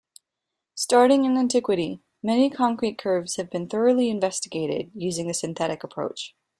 Starting in antiquity, many concrete curves have been thoroughly investigated using the synthetic approach.